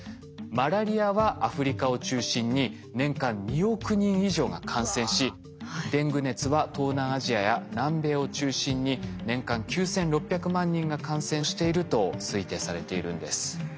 マラリアはアフリカを中心に年間２億人以上が感染しデング熱は東南アジアや南米を中心に年間９，６００万人が感染していると推定されているんです。